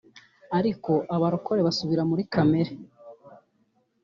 Ariko abarokore basubira muri kamere